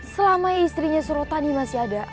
selama istrinya surotani masih ada